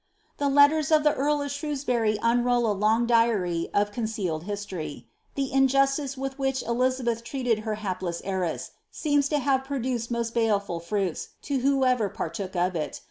* The letters of the earl of Shrewsbury unrol a long diary of concealed histoiy.' The injustice with which Elizabeth treated her hapless heiress teems to have produced most baleful fruits to whoever partook of it.